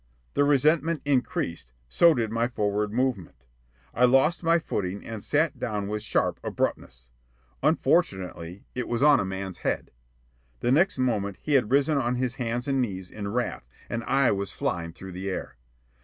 The resentment increased, so did my forward movement. I lost my footing and sat down with sharp abruptness. Unfortunately, it was on a man's head. The next moment he had risen on his hands and knees in wrath, and I was flying through the air.